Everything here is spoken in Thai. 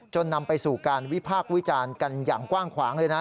นำไปสู่การวิพากษ์วิจารณ์กันอย่างกว้างขวางเลยนะ